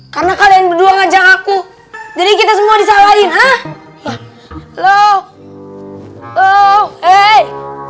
karena kalian berdua ngajak aku jadi kita semua disalahin hah loh loh eh